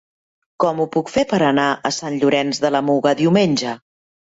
Com ho puc fer per anar a Sant Llorenç de la Muga diumenge?